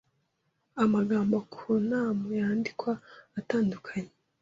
Amagambo ku na mu yandikwa atandukanye